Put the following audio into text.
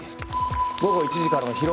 午後１時からの披露